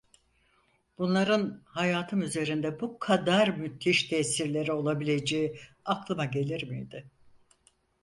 Bunların hayatım üzerinde bu kadar müthiş tesirleri olabileceği aklıma gelir miydi?